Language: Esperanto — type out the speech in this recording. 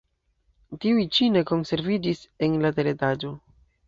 Tiuj ĉi ne konserviĝis en la teretaĝo.